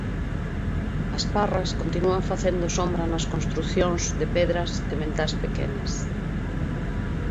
As parras continúan facendo sombra nas construcións de pedras e ventás pequenas.